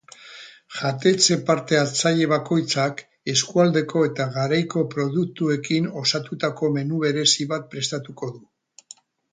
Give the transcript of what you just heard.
Jatetxe parte-hartzaile bakoitzak eskualdeko eta garaiko produktuekin osatutako menu berezi bat prestatuko du.